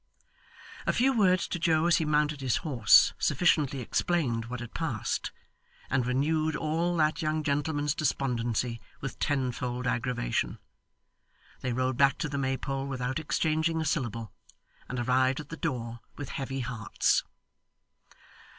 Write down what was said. A few words to Joe as he mounted his horse sufficiently explained what had passed, and renewed all that young gentleman's despondency with tenfold aggravation. They rode back to the Maypole without exchanging a syllable, and arrived at the door with heavy hearts.